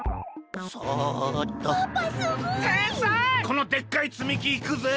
このでっかいつみきいくぜ！